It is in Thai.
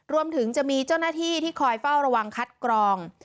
รวมถึงจะมีเจ้าหน้าที่ที่คอยเฝ้าระวังคัดกรอง